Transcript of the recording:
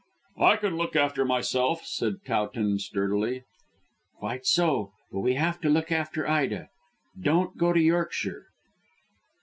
"I can look after myself," said Towton sturdily. "Quite so; but we have to look after Ida. Don't go to Yorkshire."